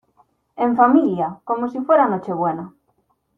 en familia, como si fuera Nochebuena.